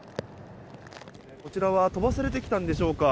こちらは飛ばされてきたんでしょうか